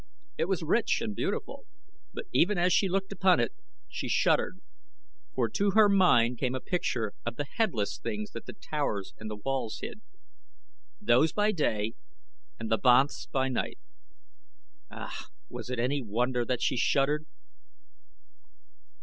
It was rich and beautiful, but even as she looked upon it she shuddered, for to her mind came a picture of the headless things that the towers and the walls hid. Those by day and the banths by night! Ah, was it any wonder that she shuddered?